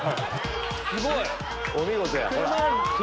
すごい！お見事や。